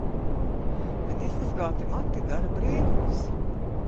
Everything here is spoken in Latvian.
Bet izmazgāti mati dara brīnumus.